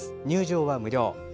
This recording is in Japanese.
入場は無料。